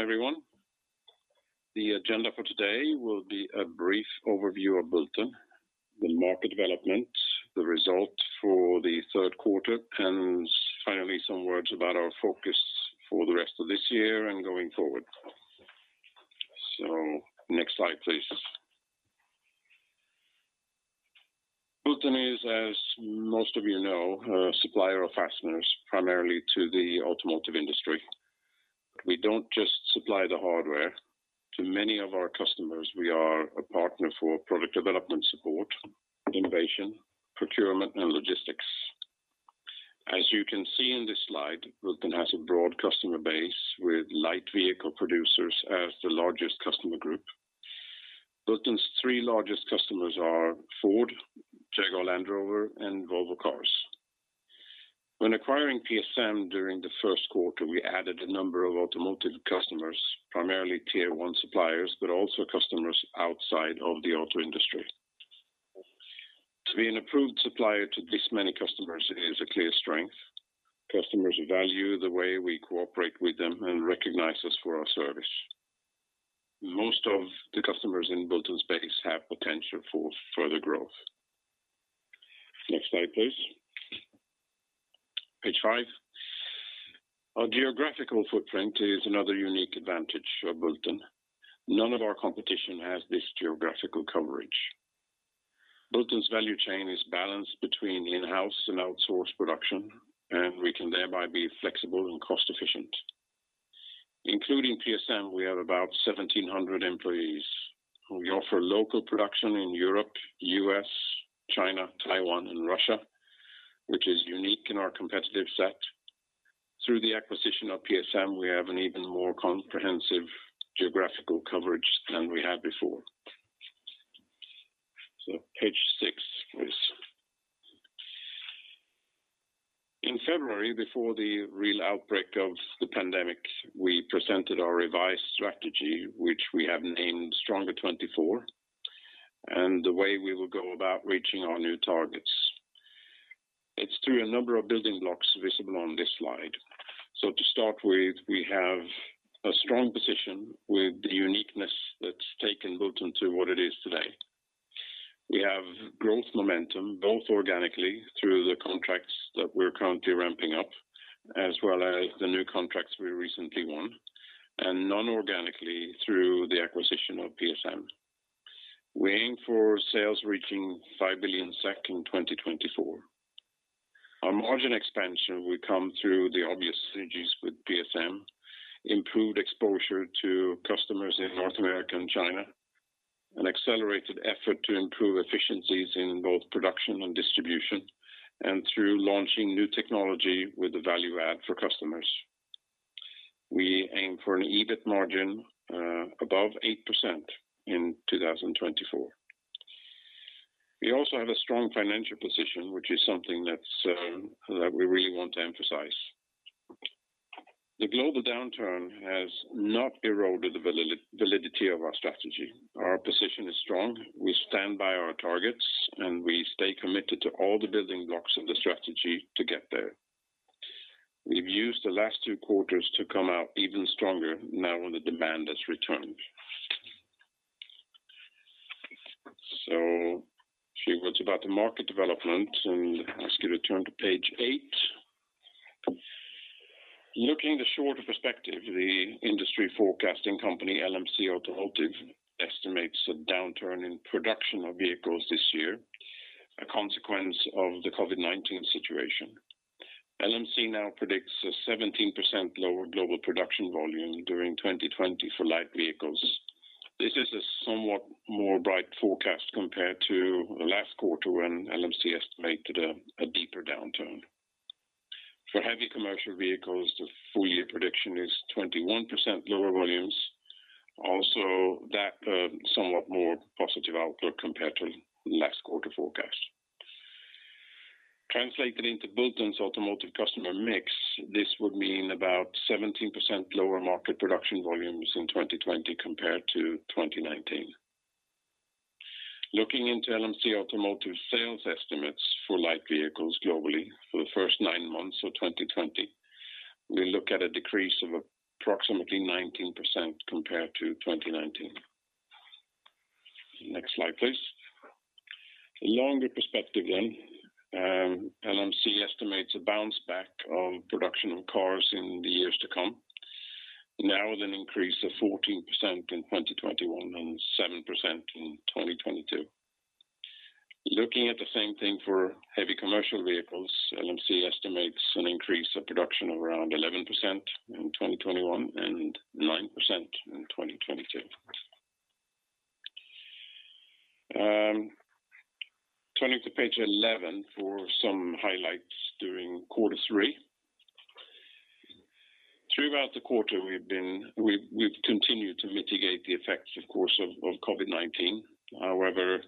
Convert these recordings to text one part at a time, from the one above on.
Everyone. The agenda for today will be a brief overview of Bulten, the market development, the result for the third quarter, and finally, some words about our focus for the rest of this year and going forward. Next slide, please. Bulten is, as most of you know, a supplier of fasteners, primarily to the automotive industry. We don't just supply the hardware. To many of our customers, we are a partner for product development support, innovation, procurement, and logistics. As you can see in this slide, Bulten has a broad customer base with light vehicle producers as the largest customer group. Bulten's three largest customers are Ford, Jaguar Land Rover, and Volvo Cars. When acquiring PSM during the first quarter, we added a number of automotive customers, primarily Tier 1 suppliers, but also customers outside of the auto industry. To be an approved supplier to this many customers is a clear strength. Customers value the way we cooperate with them and recognize us for our service. Most of the customers in Bulten space have potential for further growth. Next slide, please. Page five. Our geographical footprint is another unique advantage for Bulten. None of our competition has this geographical coverage. Bulten's value chain is balanced between in-house and outsourced production, and we can thereby be flexible and cost efficient. Including PSM, we have about 1,700 employees. We offer local production in Europe, U.S., China, Taiwan, and Russia, which is unique in our competitive set. Through the acquisition of PSM, we have an even more comprehensive geographical coverage than we had before. Page six, please. In February, before the real outbreak of the pandemic, we presented our revised strategy, which we have named Stronger 24, and the way we will go about reaching our new targets. It's through a number of building blocks visible on this slide. To start with, we have a strong position with the uniqueness that's taken Bulten to what it is today. We have growth momentum, both organically through the contracts that we're currently ramping up, as well as the new contracts we recently won, and non-organically through the acquisition of PSM. We aim for sales reaching 5 billion SEK in 2024. Our margin expansion will come through the obvious synergies with PSM, improved exposure to customers in North America and China, an accelerated effort to improve efficiencies in both production and distribution, and through launching new technology with the value add for customers. We aim for an EBIT margin above 8% in 2024. We also have a strong financial position, which is something that's that we really want to emphasize. The global downturn has not eroded the validity of our strategy. Our position is strong. We stand by our targets, we stay committed to all the building blocks of the strategy to get there. We've used the last two quarters to come out even stronger now on the demand that's returned. Few words about the market development, and let's get a turn to page eight. Looking the shorter perspective, the industry forecasting company, LMC Automotive, estimates a downturn in production of vehicles this year, a consequence of the COVID-19 situation. LMC now predicts a 17% lower global production volume during 2020 for light vehicles. This is a somewhat more bright forecast compared to the last quarter when LMC estimated a deeper downturn. For heavy commercial vehicles, the full year prediction is 21% lower volumes. That, somewhat more positive outlook compared to last quarter forecast. Translated into Bulten's automotive customer mix, this would mean about 17% lower market production volumes in 2020 compared to 2019. Looking into LMC Automotive sales estimates for light vehicles globally for the first nine months of 2020, we look at a decrease of approximately 19% compared to 2019. Next slide, please. A longer perspective then, LMC estimates a bounce back of production of cars in the years to come, now with an increase of 14% in 2021 and 7% in 2022. Looking at the same thing for heavy commercial vehicles, LMC estimates an increase of production of around 11% in 2021 and 9% in 2022. Turning to page 11 for some highlights during Q3. Throughout the quarter, we've continued to mitigate the effects, of course, of COVID-19. However,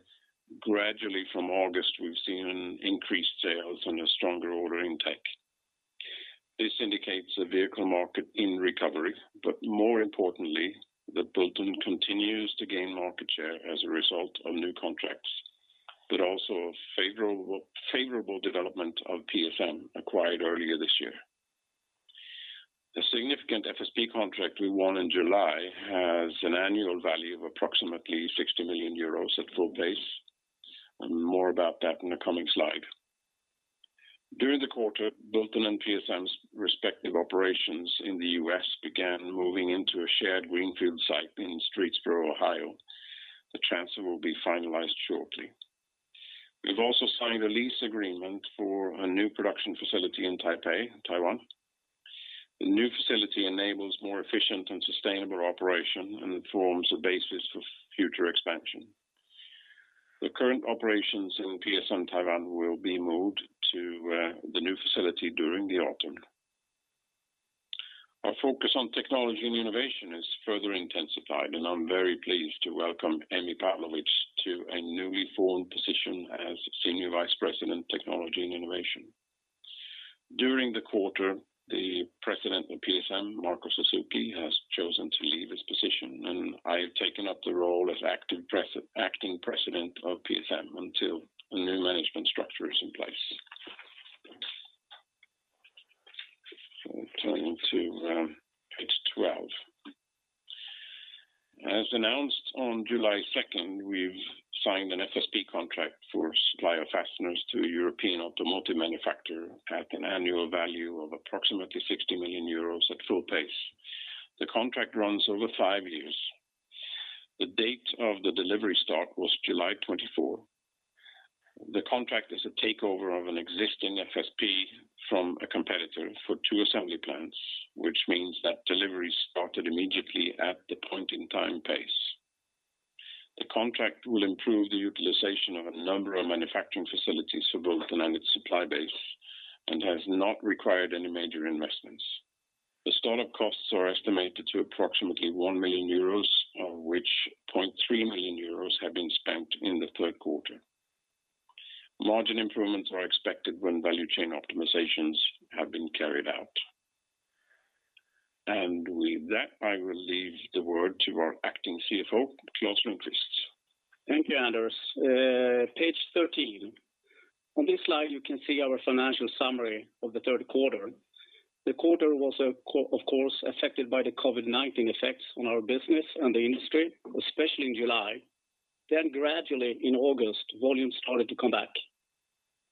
gradually from August, we've seen increased sales and a stronger order intake. This indicates a vehicle market in recovery, but more importantly, Bulten continues to gain market share as a result of new contracts, but also a favorable development of PSM acquired earlier this year. The significant FSP contract we won in July has an annual value of approximately 60 million euros at full pace, and more about that in the coming slide. During the quarter, Bulten and PSM's respective operations in the US began moving into a shared Greenfield site in Streetsboro, Ohio. The transfer will be finalized shortly. We've also signed a lease agreement for a new production facility in Taipei, Taiwan. The new facility enables more efficient and sustainable operation. It forms a basis for future expansion. The current operations in PSM Taiwan will be moved to the new facility during the autumn. Our focus on technology and innovation is further intensified. I'm very pleased to welcome Emmy Pavlovic to a newly formed position as Senior Vice President, Technology and Innovation. During the quarter, the president of PSM, Marco Suzuki, has chosen to leave his position. I have taken up the role as Acting President of PSM until a new management structure is in place. Turning to page 12. As announced on July 2nd, we've signed an FSP contract for supply of fasteners to a European automotive manufacturer at an annual value of approximately 60 million euros at full pace. The contract runs over five years. The date of the delivery start was July 24th. The contract is a takeover of an existing FSP from a competitor for two assembly plants, which means that delivery started immediately at the point in time pace. The contract will improve the utilization of a number of manufacturing facilities for Bulten and on its supply base and has not required any major investments. The start-up costs are estimated to approximately 1 million euros, of which 0.3 million euros have been spent in the third quarter. Margin improvements are expected when value chain optimizations have been carried out. With that, I will leave the word to our acting Chief Financial Officer, Claes Lundqvist. Thank you, Anders. Page 13. On this slide, you can see our financial summary of the third quarter. The quarter was of course, affected by the COVID-19 effects on our business and the industry, especially in July. Gradually in August, volumes started to come back.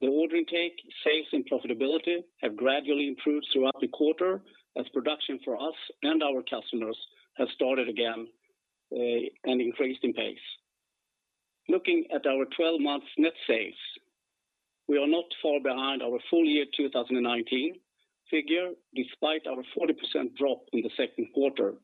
The order intake, sales, and profitability have gradually improved throughout the quarter as production for us and our customers has started again and increased in pace. Looking at our 12-month net sales, we are not far behind our full year 2019 figure, despite our 40% drop in the second quarter.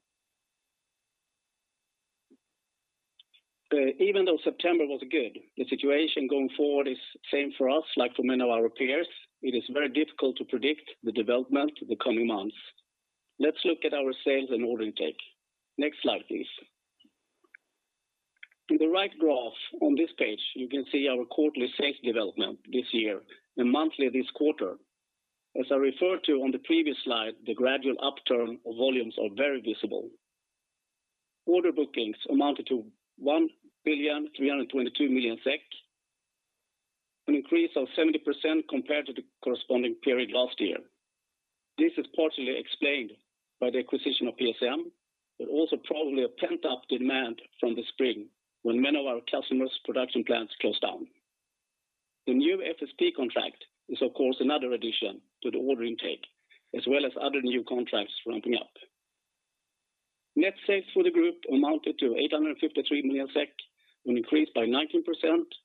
Even though September was good, the situation going forward is same for us, like for many of our peers. It is very difficult to predict the development of the coming months. Let's look at our sales and order intake. Next slide, please. In the right graph on this page, you can see our quarterly sales development this year and monthly this quarter. As I referred to on the previous slide, the gradual upturn of volumes are very visible. Order bookings amounted to 1,322 million SEK, an increase of 70% compared to the corresponding period last year. This is partially explained by the acquisition of PSM, but also probably a pent-up demand from the spring when many of our customers' production plants closed down. The new FSP contract is, of course, another addition to the order intake, as well as other new contracts ramping up. Net sales for the group amounted to 853 million SEK, an increase by 19%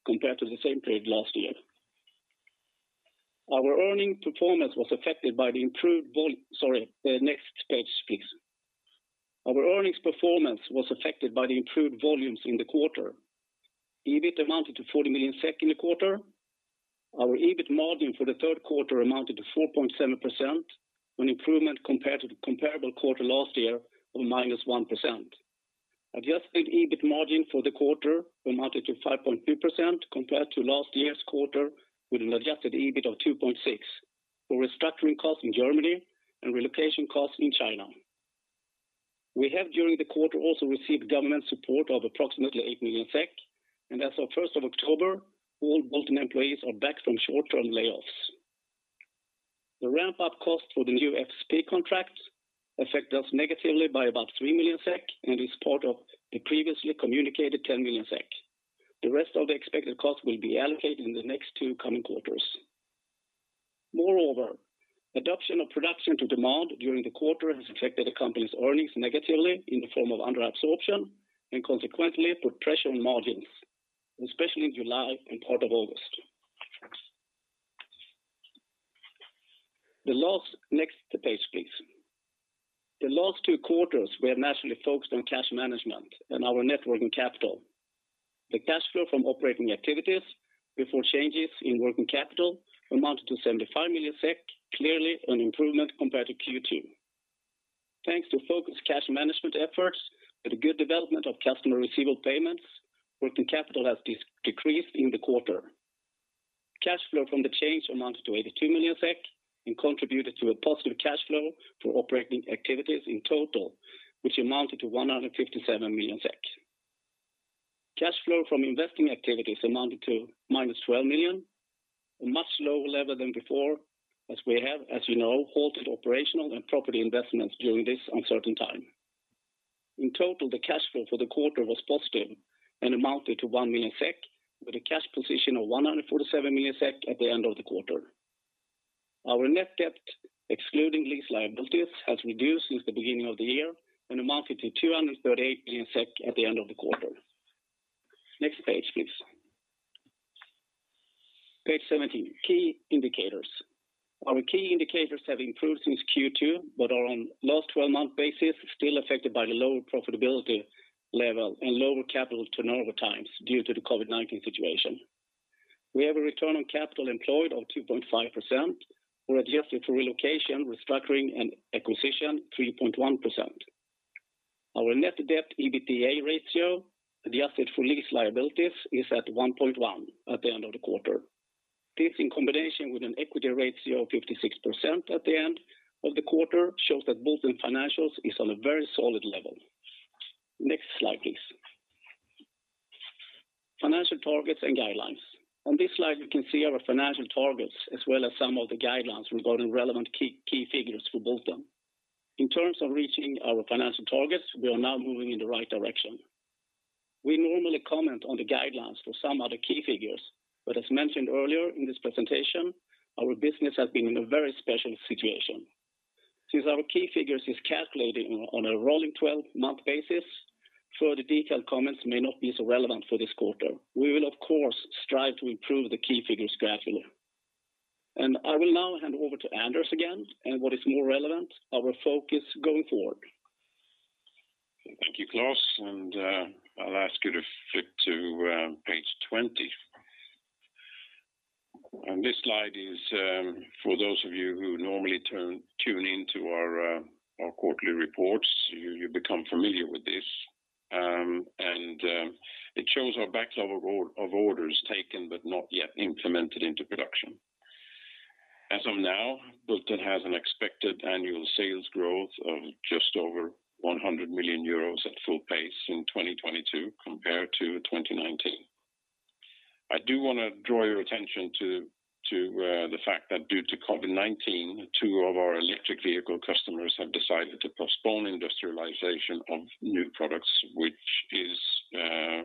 compared to the same period last year. Our earning performance was affected by the improved. Sorry, next page, please. Our earnings performance was affected by the improved volumes in the quarter. EBIT amounted to 40 million SEK in the quarter. Our EBIT margin for the 3rd quarter amounted to 4.7%, an improvement compared to the comparable quarter last year of -1%. Adjusted EBIT margin for the quarter amounted to 5.2% compared to last year's quarter with an Adjusted EBIT of 2.6 for restructuring costs in Germany and relocation costs in China. We have, during the quarter, also received government support of approximately 8 million SEK, and as of 1st of October, all Bulten employees are back from short-term layoffs. The ramp-up cost for the new FSP contract affect us negatively by about 3 million SEK and is part of the previously communicated 10 million SEK. The rest of the expected cost will be allocated in the next two coming quarters. Adoption of production to demand during the quarter has affected the company's earnings negatively in the form of under absorption and consequently put pressure on margins, especially in July and part of August. The last two quarters, we have naturally focused on cash management and our net working capital. The cash flow from operating activities before changes in working capital amounted to 75 million SEK, clearly an improvement compared to Q2. Thanks to focused cash management efforts with a good development of customer receivable payments, working capital has decreased in the quarter. Cash flow from the change amounted to 82 million SEK and contributed to a positive cash flow for operating activities in total, which amounted to 157 million SEK. Cash flow from investing activities amounted to minus 12 million, a much lower level than before, as we have, as you know, halted operational and property investments during this uncertain time. In total, the cash flow for the quarter was positive and amounted to 1 million SEK with a cash position of 147 million SEK at the end of the quarter. Our net debt, excluding lease liabilities, has reduced since the beginning of the year and amounted to 238 million SEK at the end of the quarter. Next page, please. Page 17, key indicators. Our key indicators have improved since Q2, but are on last 12-month basis, still affected by the lower profitability level and lower capital turnover times due to the COVID-19 situation. We have a return on capital employed of 2.5% or adjusted to relocation, restructuring, and acquisition, 3.1%. Our net debt EBITDA ratio adjusted for lease liabilities is at 1.1 at the end of the quarter. This, in combination with an equity ratio of 56% at the end of the quarter, shows that Bulten financials is on a very solid level. Next slide, please. Financial targets and guidelines. On this slide, you can see our financial targets as well as some of the guidelines regarding relevant key figures for Bulten. In terms of reaching our financial targets, we are now moving in the right direction. We normally comment on the guidelines for some other key figures, as mentioned earlier in this presentation, our business has been in a very special situation. Since our key figures is calculated on a rolling 12-month basis, further detailed comments may not be so relevant for this quarter. We will, of course, strive to improve the key figures gradually. I will now hand over to Anders again and what is more relevant, our focus going forward. Thank you, Claes, and I'll ask you to flip to page 20. This slide is for those of you who normally tune in to our quarterly reports. You become familiar with this. And, it shows our backlog of orders taken but not yet implemented into production. As of now, Bulten has an expected annual sales growth of just over 100 million euros at full pace in 2022 compared to 2019. I do wanna draw your attention to the fact that due to COVID-19, two of our electric vehicle customers have decided to postpone industrialization of new products, which is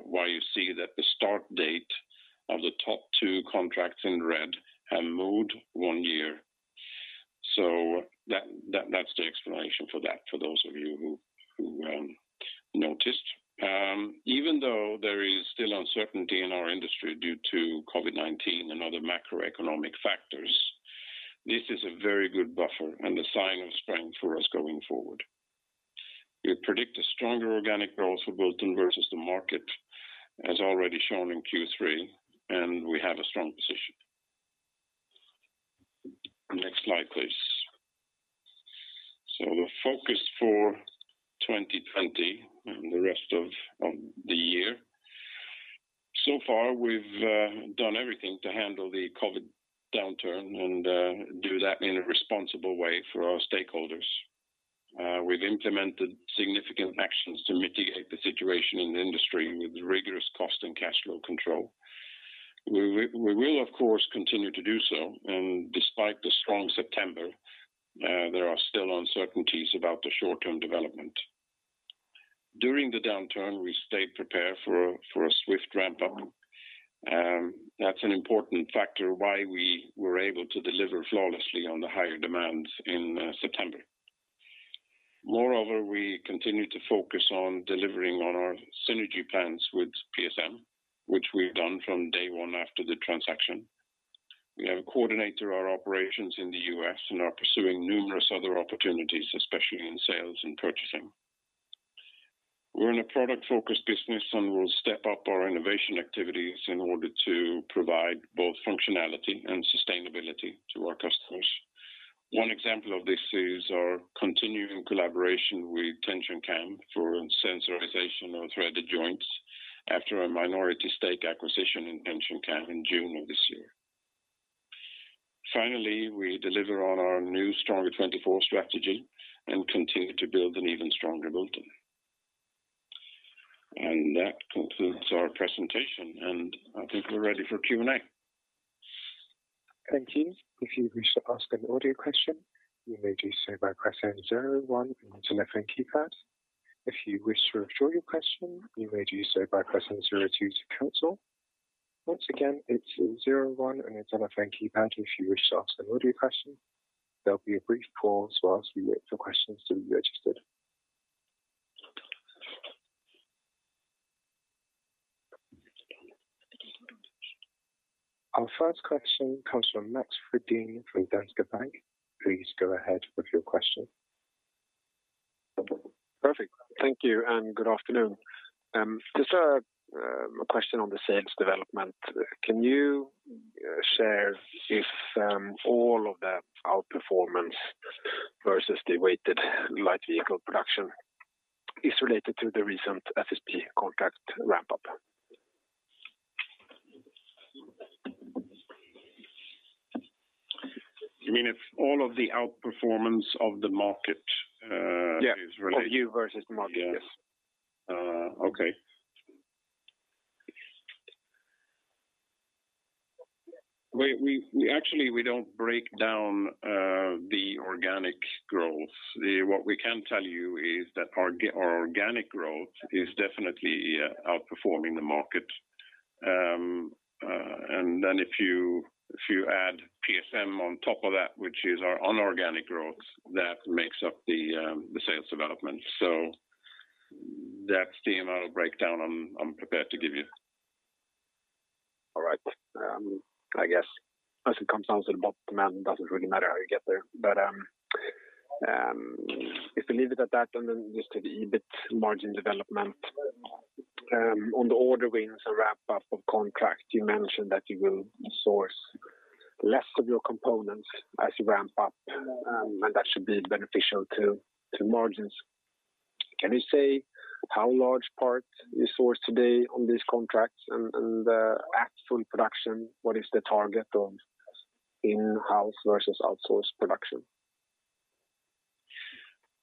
why you see that the start date of the top two contracts in red have moved one year. That's the explanation for that, for those of you who noticed. Even though there is still uncertainty in our industry due to COVID-19 and other macroeconomic factors, this is a very good buffer and a sign of strength for us going forward. We predict a stronger organic growth for Bulten versus the market as already shown in Q3, and we have a strong position. Next slide, please. The focus for 2020 and the rest of the year. So far, we've done everything to handle the COVID downturn and do that in a responsible way for our stakeholders. We've implemented significant actions to mitigate the situation in the industry with rigorous cost and cash flow control. We will of course continue to do so. Despite the strong September, there are still uncertainties about the short-term development. During the downturn, we stayed prepared for a swift ramp up. That's an important factor why we were able to deliver flawlessly on the higher demands in September. Moreover, we continue to focus on delivering on our synergy plans with PSM, which we've done from day one after the transaction. We have coordinated our operations in the U.S. and are pursuing numerous other opportunities, especially in sales and purchasing. We're in a product-focused business, and we'll step up our innovation activities in order to provide both functionality and sustainability to our customers. One example of this is our continuing collaboration with TensionCam for sensorization of threaded joints after a minority stake acquisition in TensionCam in June of this year. Finally, we deliver on our new Stronger 24 strategy and continue to build an even stronger Bulten. That concludes our presentation, and I think we're ready for Q&A. Our first question comes from Mikael Friberg from Danske Bank. Please go ahead with your question. Perfect. Thank you and good afternoon. Just a question on the sales development. Can you share if all of the outperformance versus the weighted light vehicle production Is related to the recent FSP contract ramp up. You mean if all of the outperformance of the market? Yeah is related- Of you versus the market, yes. Okay. We actually, we don't break down the organic growth. What we can tell you is that our organic growth is definitely outperforming the market. If you, if you add PSM on top of that, which is our unorganic growth, that makes up the sales development. That's the breakdown I'm prepared to give you. All right. I guess as it comes down to the bottom line, it doesn't really matter how you get there. If we leave it at that, and then just the EBIT margin development on the order wins and ramp up of contract, you mentioned that you will source less of your components as you ramp up, and that should be beneficial to margins. Can you say how large part you source today on these contracts and at full production, what is the target of in-house versus outsourced production?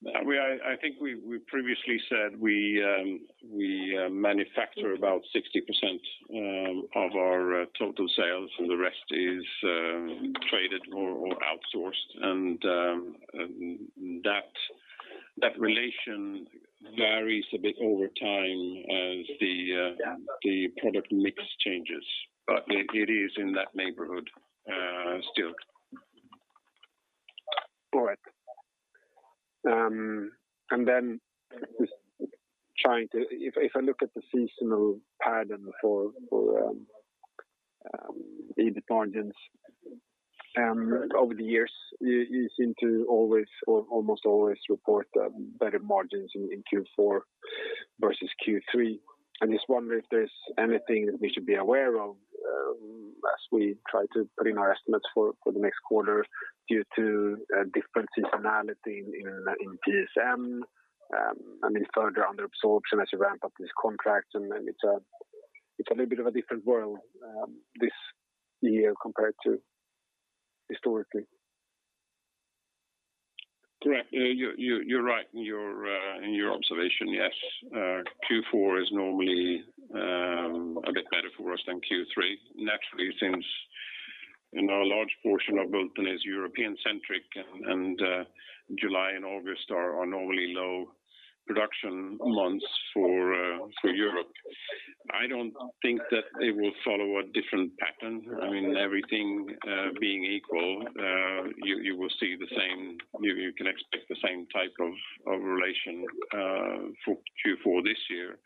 I think we previously said we manufacture about 60% of our total sales, and the rest is traded or outsourced. That relation varies a bit over time as the product mix changes. It is in that neighborhood still. All right. Just trying to If I look at the seasonal pattern for EBIT margins over the years, you seem to always or almost always report better margins in Q4 versus Q3. I'm just wondering if there's anything that we should be aware of as we try to put in our estimates for the next quarter due to different seasonality in PSM, I mean, further under absorption as you ramp up this contract, and then it's a little bit of a different world this year compared to historically. Correct. You're right in your observation. Yes. Q4 is normally a bit better for us than Q3. Naturally, since, you know, a large portion of Bulten is European-centric and July and August are our normally low production months for Europe. I don't think that it will follow a different pattern. I mean, everything being equal, you can expect the same type of relation for Q4 this year.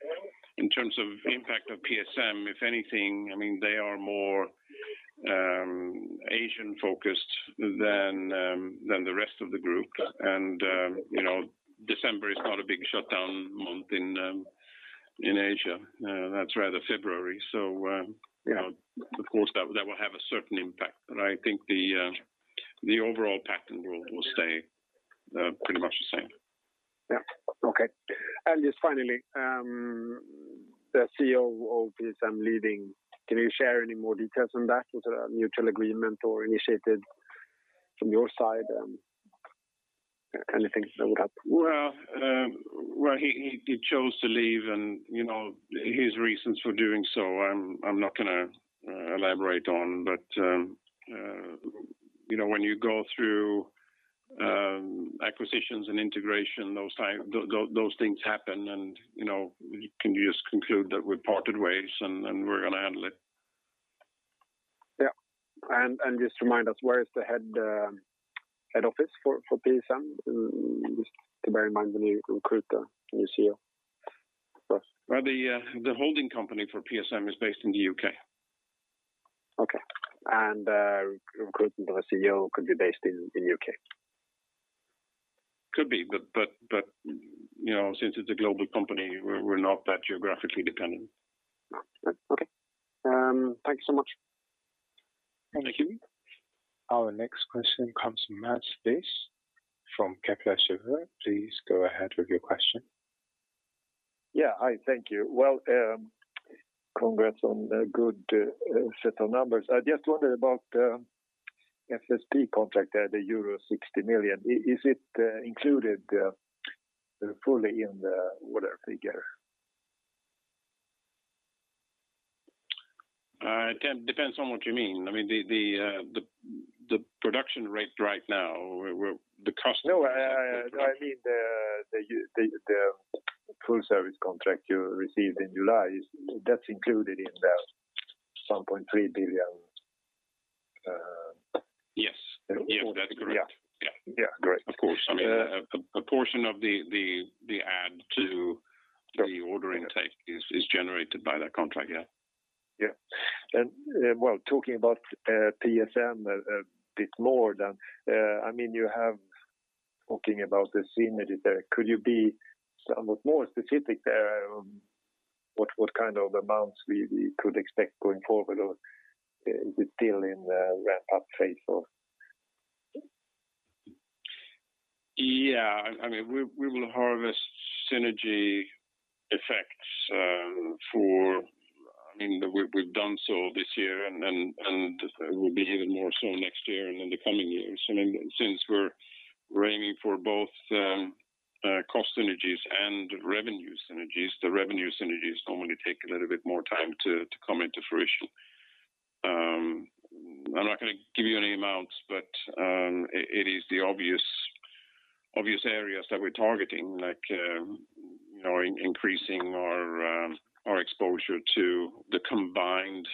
In terms of impact of PSM, if anything, I mean, they are more Asian-focused than the rest of the group. You know, December is not a big shutdown month in Asia. That's rather February. Yeah you know, of course that will have a certain impact. I think the overall pattern will stay, pretty much the same. Yeah. Okay. Just finally, the CEO of PSM leaving, can you share any more details on that? Was it a mutual agreement or initiated from your side? What kind of things build up? He chose to leave and, you know, his reasons for doing so, I'm not gonna elaborate on. You know, when you go through acquisitions and integration, those things happen and, you know, you can just conclude that we parted ways and we're gonna handle it. Yeah. Just remind us, where is the head office for PSM? Just to bear in mind when you recruit a new CEO first. Well, the holding company for PSM is based in the U.K. Okay. recruitment of a CEO could be based in U.K.? Could be. You know, since it's a global company, we're not that geographically dependent. Okay. Thank you so much. Thank you. Our next question comes from Mats Liss from Kepler Cheuvreux. Please go ahead with your question. Yeah. Hi, thank you. Well, congrats on a good set of numbers. I just wondered about FSP contract, the euro 60 million. Is it included fully in the order figure? It depends on what you mean. I mean, the production rate right now where the customer-. No. No, I mean the full service contract you received in July. That's included in the 7.3 billion. Yes. Yes. That's correct. order. Yeah. Yeah. Yeah. Great. Of course. I mean, a portion of the add to the order intake is generated by that contract. Yeah. Yeah. Well, talking about PSM a bit more then, I mean, Talking about the synergies there, could you be somewhat more specific there on what kind of amounts we could expect going forward, or is it still in the ramp-up phase or? Yeah. I mean, we will harvest synergy effects, for, I mean, we've done so this year and will be even more so next year and in the coming years. Since we're aiming for both cost synergies and revenue synergies, the revenue synergies normally take a little bit more time to come into fruition. I'm not gonna give you any amounts, but it is the obvious areas that we're targeting, like, you know, increasing our exposure to the combined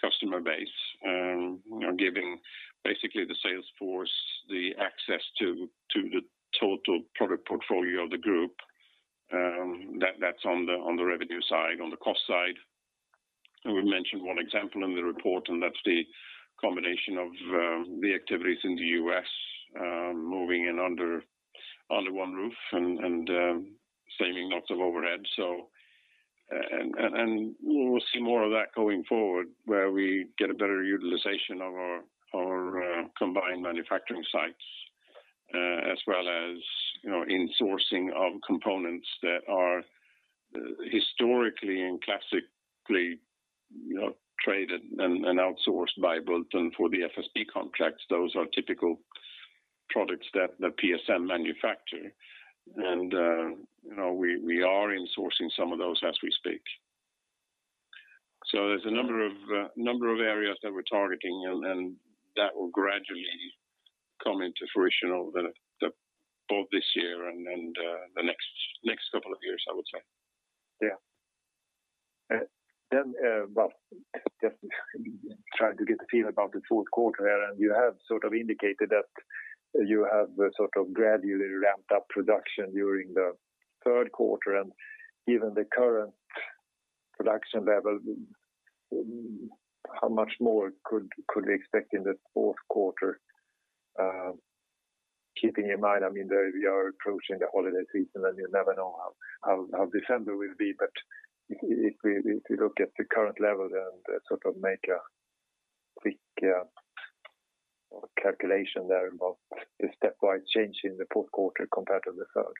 customer base, you know, giving basically the sales force the access to the total product portfolio of the group. That's on the revenue side. On the cost side, we've mentioned one example in the report, that's the combination of the activities in the U.S. moving in under one roof and saving lots of overhead. We'll see more of that going forward, where we get a better utilization of our combined manufacturing sites, as well as, you know, insourcing of components that are historically and classically, you know, traded and outsourced by Bulten for the FSP contracts. Those are typical products that the PSM manufacture. You know, we are insourcing some of those as we speak. There's a number of areas that we're targeting and that will gradually come into fruition over both this year and the next couple of years, I would say. Yeah. Just trying to get a feel about the fourth quarter here, you have sort of indicated that you have sort of gradually ramped up production during the third quarter. Given the current production level, how much more could we expect in the fourth quarter? Keeping in mind, I mean, that we are approaching the holiday season you never know how December will be. If we look at the current level and sort of make a quick calculation there about the stepwise change in the fourth quarter compared to the third.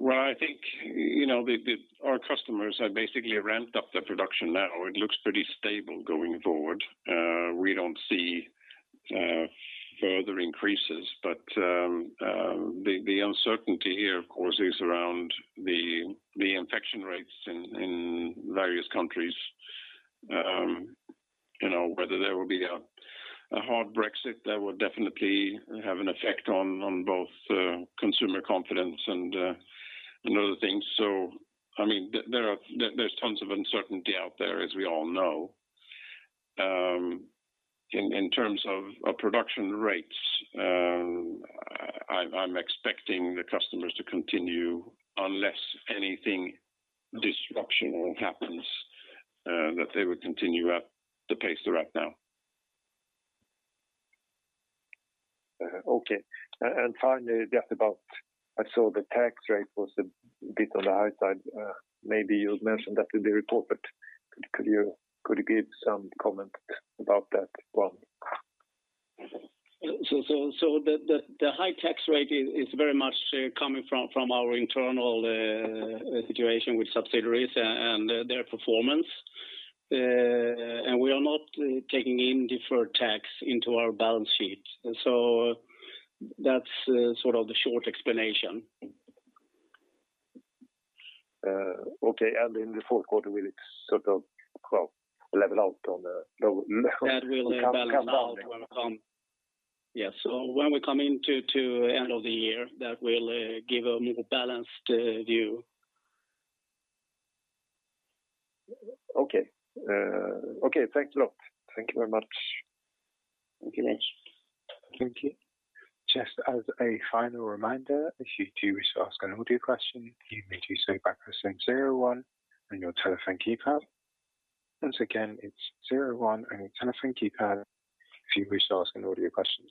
Well, I think, you know, our customers have basically ramped up the production now. It looks pretty stable going forward. We don't see further increases. The uncertainty here of course is around the infection rates in various countries. You know, whether there will be a hard Brexit that will definitely have an effect on both consumer confidence and other things. I mean, there's tons of uncertainty out there, as we all know. In terms of production rates, I'm expecting the customers to continue unless anything disruptional happens that they would continue at the pace they're at now. Okay. Finally, just about I saw the tax rate was a bit on the high side. Maybe you mentioned that in the report, but could you give some comment about that one? The high tax rate is very much coming from our internal situation with subsidiaries and their performance. We are not taking in deferred tax into our balance sheet. That's sort of the short explanation. Okay. In the fourth quarter, will it sort of, well, level out on a low-? That will, Can, can- balance out when come Yes. When we come into end of the year, that will give a more balanced view. Okay. Okay. Thanks a lot. Thank you very much. Thank you. Thank you. Just as a final reminder, if you do wish to ask an audio question, you may do so by pressing 01 on your telephone keypad. Once again, it's 01 on your telephone keypad if you wish to ask an audio question.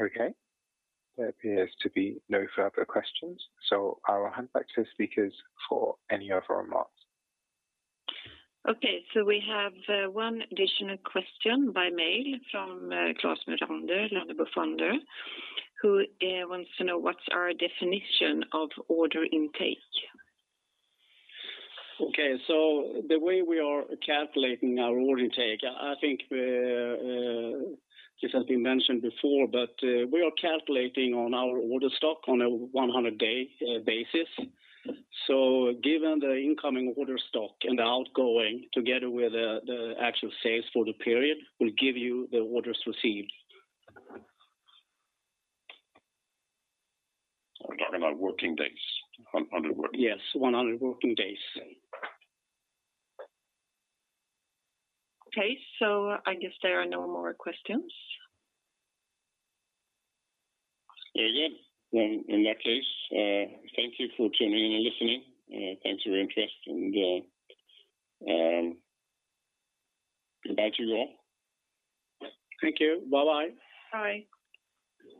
Okay. There appears to be no further questions, I will hand back to the speakers for any other remarks. Okay. We have one additional question by mail from Claes Murander, Lannebo Fonder, who wants to know what's our definition of order intake. Okay. The way we are calculating our order intake, I think, this has been mentioned before, but we are calculating on our order stock on a 100-day basis. Given the incoming order stock and the outgoing together with the actual sales for the period will give you the orders received. We're talking about working days. 100 working- Yes, 100 working days. Okay. I guess there are no more questions. Yeah. In that case, thank you for tuning in and listening. Thanks for your interest and goodbye to you all. Thank you. Bye-bye. Bye.